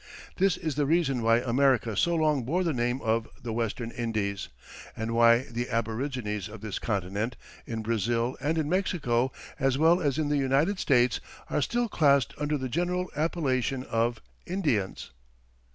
This is the reason why America so long bore the name of the "Western Indies," and why the aborigines of this continent, in Brazil and in Mexico, as well as in the United States, are still classed under the general appellation of "Indians."